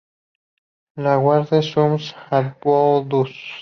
La Guerche-sur-l'Aubois